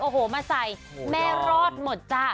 โอ้โหมาใส่แม่รอดหมดจ้ะ